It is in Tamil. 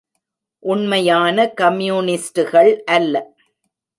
உண்மையான கம்யூனிஸ்ட்டுகள் அல்ல.